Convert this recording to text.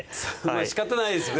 しかたないですよね